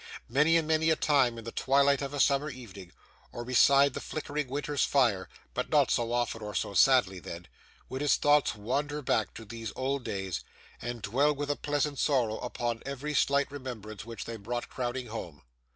Many and many a time, in the twilight of a summer evening, or beside the flickering winter's fire but not so often or so sadly then would his thoughts wander back to these old days, and dwell with a pleasant sorrow upon every slight remembrance which they brought crowding home.